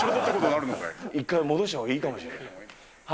一回戻したほうがいいかもしれない。